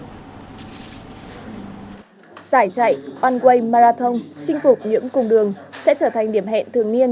giải trại one way marathon chinh phục những cung đường sẽ trở thành điểm hẹn thường niên